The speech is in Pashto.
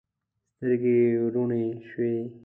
سترګې یې وروڼې شوې.